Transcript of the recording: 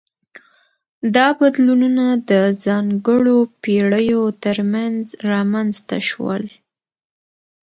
دا بدلونونه د ځانګړو پیړیو ترمنځ رامنځته شول.